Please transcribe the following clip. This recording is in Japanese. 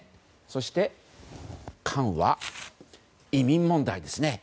そして「間」は移民問題ですね。